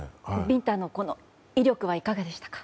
ビンタの威力はいかがでしたか。